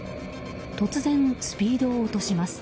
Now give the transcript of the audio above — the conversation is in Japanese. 突然、スピードを落とします。